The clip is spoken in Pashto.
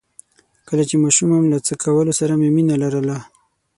کله چې ماشوم وم له څه کولو سره مې مينه لرله؟